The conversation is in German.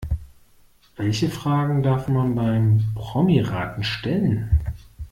Welche Fragen darf man beim Promiraten stellen?